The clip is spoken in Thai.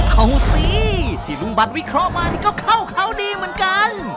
เอาสิที่ลุงบัตรวิเคราะห์มานี่ก็เข้าเขาดีเหมือนกัน